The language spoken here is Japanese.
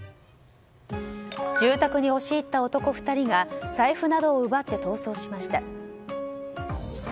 住宅に押し入った男２人が財布などを奪って逃走しました。